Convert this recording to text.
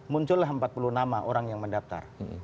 muncullah empat puluh nama orang yang mendaftar